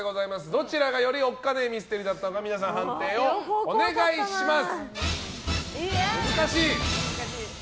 どちらがよりおっカネミステリーだったか判定をお願いします。